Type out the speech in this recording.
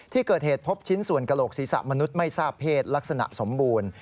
ที่เกิดเหตุพบชิ้นส่วนกระโหลกศีรษะมนุษย์ไม่ทราบเพศลักษณะสมบูรณ์